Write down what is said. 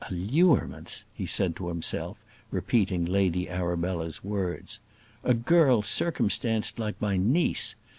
"Allurements!" he said to himself, repeating Lady Arabella's words. "A girl circumstanced like my niece!